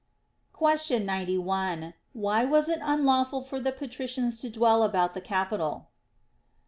Question 91. Why was it unlawful for the patricians to dwell about the Capitol